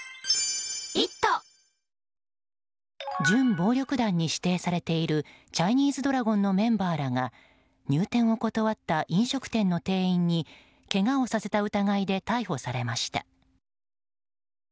準暴力団に指定されているチャイニーズドラゴンのメンバーらが入店を断った飲食店の店員にけがをさせた疑いで逮捕されました。